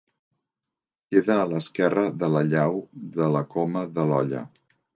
Queda a l'esquerra de la llau de la Coma de l'Olla.